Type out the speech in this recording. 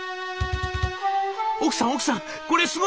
奥さん奥さんこれすごいんです。